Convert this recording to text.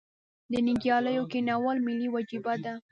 د نیالګیو کینول ملي وجیبه ده؟